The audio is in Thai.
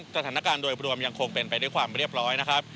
สถานการณ์โดยรวมยังคงเป็นไปด้วยความเรียบร้อยนะครับ